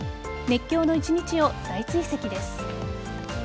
熱狂の１日を大追跡です。